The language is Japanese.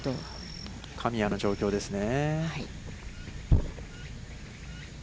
神谷の状況ですね。